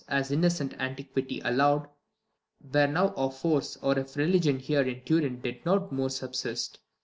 As innocent antiquity allow'd. Were now of force, or if religion here In Turin did not more subsist.